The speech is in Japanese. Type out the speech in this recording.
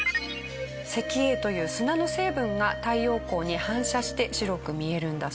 石英という砂の成分が太陽光に反射して白く見えるんだそうです。